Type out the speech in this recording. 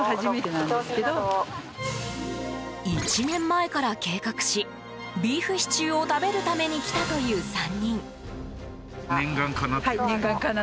１年前から計画しビーフシチューを食べるために来たという３人。